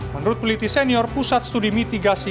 menurut peliti senior pusat studi mitigasi